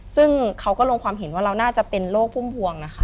ซึ่งเขาก็ลงความเห็นว่าเราน่าจะเป็นโรคพุ่มพวงนะคะ